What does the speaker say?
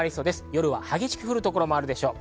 夜は激しく降る所もあるでしょう。